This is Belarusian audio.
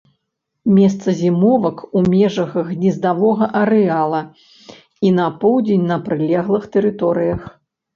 Месца зімовак у межах гнездавога арэала і на поўдзень на прылеглых тэрыторыях.